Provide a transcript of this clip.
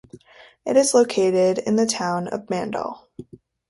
It is located in the town of Mandal.